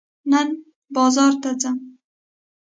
نن بازار ته ځم.